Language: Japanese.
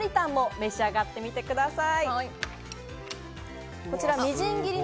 召し上がってください。